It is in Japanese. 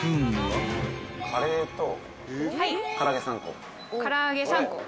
・カレーとから揚げ３個。